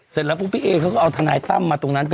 เสร็จแล้วปุ๊บพี่เอเขาก็เอาทนายตั้มมาตรงนั้น